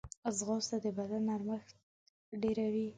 ځغاسته د بدن نرمښت ډېروي